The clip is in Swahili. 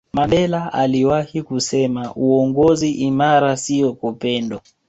mandela aliwahi kusema uongozi imara siyo kupendwa